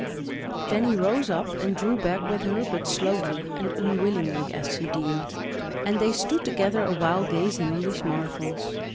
Then he rose up and drew back with her but slowly and unwillingly as she deemed; and they stood together a while gazing on these marvels.